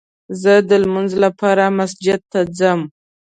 زه دلمونځ لپاره مسجد ته ځم